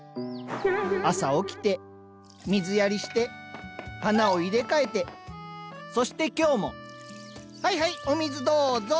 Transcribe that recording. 朝起きて水やりして花を入れ替えてそして今日もはいはいお水どうぞ。